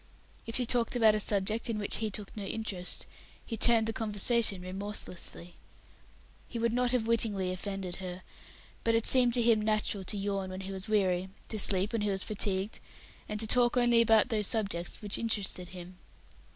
If she talked about a subject in which he took no interest, he turned the conversation remorselessly. He would not have wittingly offended her, but it seemed to him natural to yawn when he was weary, to sleep when he was fatigued, and to talk only about those subjects which interested him.